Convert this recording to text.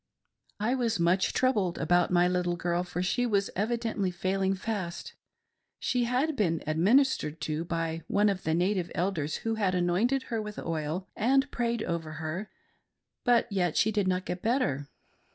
I was much troubled about my little girl, for she was evi dently failing fast. She had been " administered to " by one the native Elders who had anointed her with oil and prayed over her, but yet she did not get better.